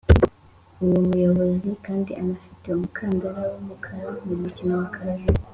uwo muyobozi kandi anafite umukandara w’umukara mu mukino wa Karate